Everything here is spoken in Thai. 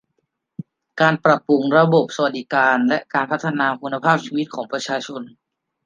การปรับปรุงระบบสวัสดิการและพัฒนาคุณภาพชีวิตของประชาชน